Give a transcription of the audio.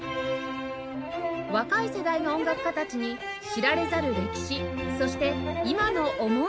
若い世代の音楽家たちに知られざる歴史そして今の思いを伝えます